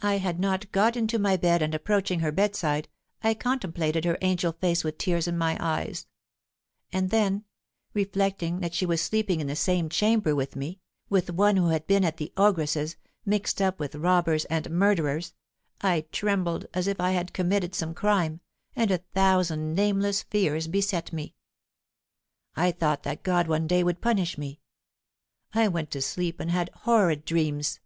I had not got into my bed, and, approaching her bedside, I contemplated her angel face with tears in my eyes; and then, reflecting that she was sleeping in the same chamber with me with one who had been at the ogress's, mixed up with robbers and murderers, I trembled as if I had committed some crime, and a thousand nameless fears beset me. I thought that God would one day punish me. I went to sleep and had horrid dreams.